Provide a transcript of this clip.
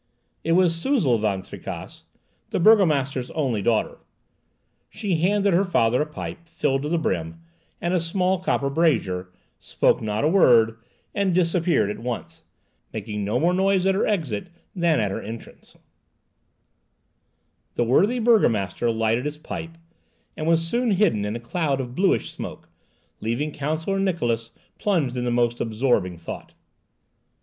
It was Suzel Van Tricasse, the burgomaster's only daughter. She handed her father a pipe, filled to the brim, and a small copper brazier, spoke not a word, and disappeared at once, making no more noise at her exit than at her entrance. She handed her father a pipe The worthy burgomaster lighted his pipe, and was soon hidden in a cloud of bluish smoke, leaving Counsellor Niklausse plunged in the most absorbing thought.